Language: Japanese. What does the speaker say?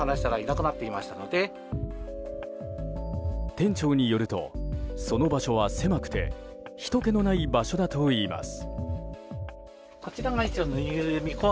店長によるとその場所は狭くてひとけのない場所だといいます。